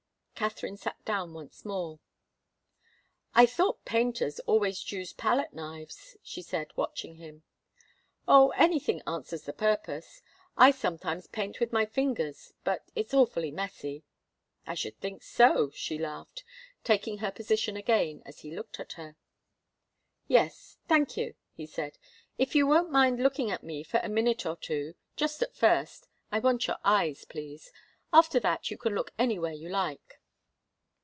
Katharine sat down once more. "I thought painters always used palette knives," she said, watching him. "Oh anything answers the purpose. I sometimes paint with my fingers but it's awfully messy." "I should think so," she laughed, taking her position again as he looked at her. "Yes thank you," he said. "If you won't mind looking at me for a minute or two, just at first. I want your eyes, please. After that you can look anywhere you like."